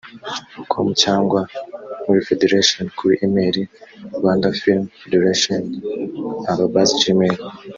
com cyangwa mur Federation kuri email rwandafilmfederation@gmail